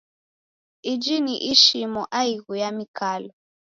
Iji ni ishomo aighu ya mikalo.